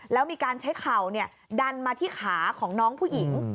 แล้วมีการใช้เข่าดันมาที่ขาของน้องผู้หญิง